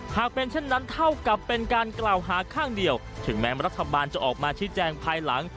หากเป็นเช่นนั้นเท่ากับเป็นการกล่าวหาข้างเดียวถึงแม้รัฐบาลจะออกมาชี้แจงภายหลัง